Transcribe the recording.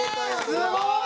すごい！